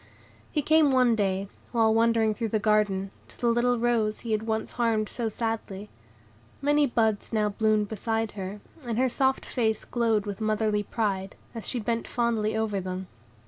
He came one day, while wandering through the garden, to the little rose he had once harmed so sadly. Many buds now bloomed beside her, and her soft face glowed with motherly pride, as she bent fondly over them.